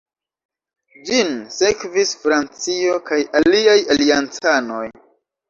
Ĝin sekvis Francio kaj aliaj aliancanoj.